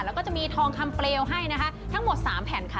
แล้วก็จะมีทองคำเปลวให้นะคะทั้งหมด๓แผ่นค่ะ